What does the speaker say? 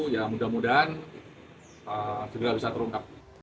ya mudah mudahan segera bisa terungkap